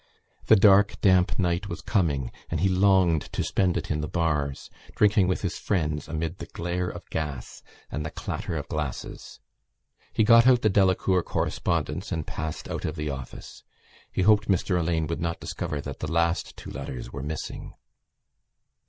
The dark damp night was coming and he longed to spend it in the bars, drinking with his friends amid the glare of gas and the clatter of glasses. He got out the Delacour correspondence and passed out of the office. He hoped Mr Alleyne would not discover that the last two letters were missing.